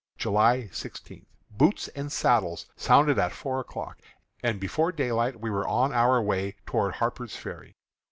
July 16. "Boots and Saddles" sounded at four o'clock, and before daylight we were on our way toward Harper's Ferry.